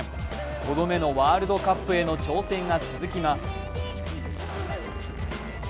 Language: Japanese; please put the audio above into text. ５度目のワールドカップへの挑戦が続きます。